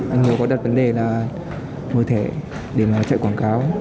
anh hiếu có đặt vấn đề là mở thẻ để mà chạy quảng cáo